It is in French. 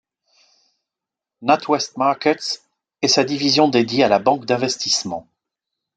NatWest Markets est sa division dédiée à la banque d'investissement.